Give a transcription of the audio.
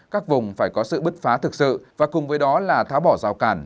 các vùng phải có sự bứt phá thực sự và cùng với đó là tháo bỏ rào cản